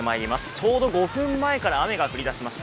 ちょうど５分前から雨が降り出しました。